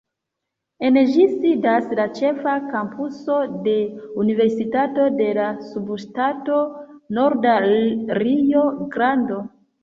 En ĝi sidas la ĉefa kampuso de Universitato de la Subŝtato Norda Rio-Grando.